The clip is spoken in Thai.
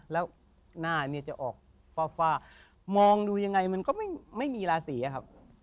แล้วหน้าเนี่ยจะออกฟ้ามองดูยังไงมันก็ไม่มีราศีอะครับ